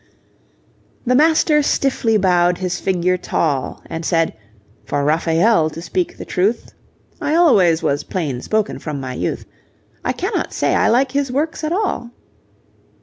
The Master stiffly bowed his figure tall And said, 'For Raphael, to speak the truth, I always was plain spoken from my youth, I cannot say I like his works at all.'